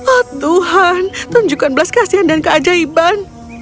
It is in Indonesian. oh tuhan tunjukkan belas kasihan dan keajaiban